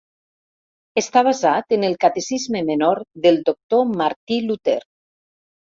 Està basat en el Catecisme Menor del doctor Martí Luter.